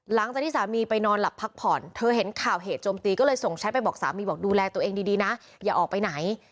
หลังจากที่สามีไปนอนหลับพักผ่อนเธอเห็นข่าวเหตุโจมตีก็เลยส่งแชทไปบอกสามีบอกดูแลตัวเองดีนะอย่าออกไปไหน